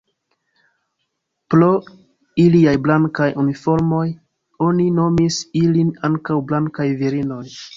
Pro iliaj blankaj uniformoj oni nomis ilin ankaŭ Blankaj virinoj.